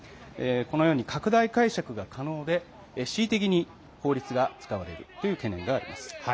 このように拡大解釈が可能で恣意的に法律が使われるという懸念があります。